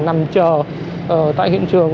nằm chờ tại hiện trường